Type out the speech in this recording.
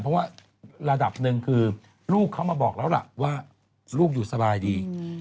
เพราะว่าระดับหนึ่งคือลูกเขามาบอกแล้วล่ะว่าลูกอยู่สบายดี